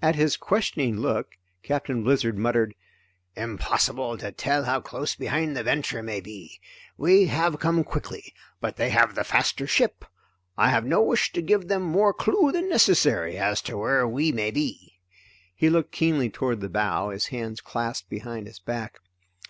At his questioning look Captain Blizzard muttered: "Impossible to tell how close behind the Venture may be. We have come quickly, but they have the faster ship. I have no wish to give them more clue than necessary as to where we may be." He looked keenly toward the bow, his hands clasped behind his back.